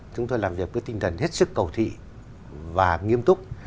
chúng tôi làm việc với tinh thần hết sức cầu thị và nghiêm túc